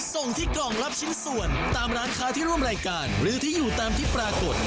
ส่งที่กล่องรับชิ้นส่วนตามร้านค้าที่ร่วมรายการหรือที่อยู่ตามที่ปรากฏ